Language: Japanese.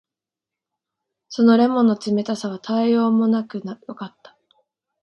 その檸檬の冷たさはたとえようもなくよかった。